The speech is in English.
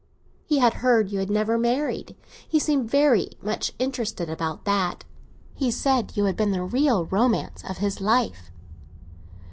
He had heard you had never married; he seemed very much interested about that. He said you had been the real romance of his life."